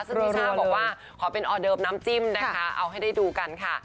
รุช่าบอกว่าขอเป็นออเดิบน้ำจิ้มนะคะเอาให้ได้ดูกันค่ะ